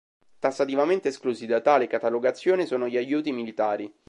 Tassativamente esclusi da tale catalogazione sono gli aiuti militari.